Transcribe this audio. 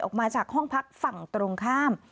ออกมาจากห้องพักฝั่งตรงข้าม